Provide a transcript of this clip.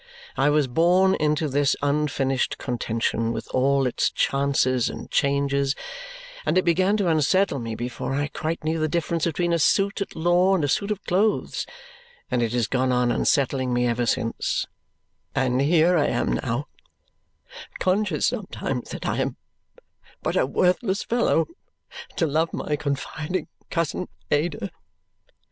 I was born into this unfinished contention with all its chances and changes, and it began to unsettle me before I quite knew the difference between a suit at law and a suit of clothes; and it has gone on unsettling me ever since; and here I am now, conscious sometimes that I am but a worthless fellow to love my confiding cousin Ada."